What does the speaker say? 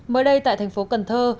mới đây tại thành phố cần thơ